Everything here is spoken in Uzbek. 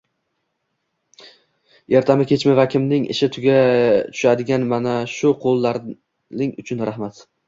Ertami-kechmi har kimning ishi tushadigan mana shu qo‘llaring uchun rahmat.